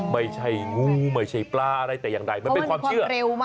ไม่ใช่งูไม่ใช่ปลาอะไรแต่อย่างใดมันเป็นความเชื่อเร็วมาก